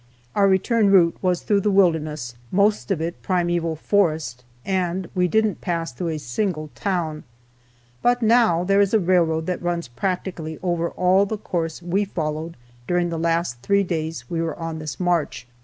Our return route was through the wilderness, most of it primeval forest, and we didn't pass through a single town. But now there is a railroad that runs practically over all the course we followed during the last three days we were on this march.